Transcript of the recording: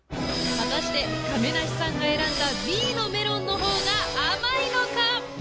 果たして亀梨さんが選んだＢのメロンのほうが甘いのか？